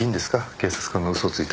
警察官が嘘をついて。